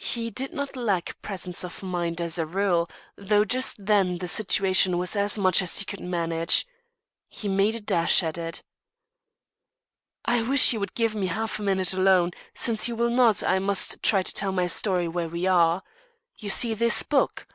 He did not lack presence of mind, as a rule, though just then the situation was as much as he could manage. He made a dash at it. "I wish you would give me half a minute alone; but, since you will not, I must try to tell my story where we are. You see this book?"